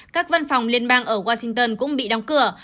các văn phòng liên bang ở washington cũng bị đóng cửa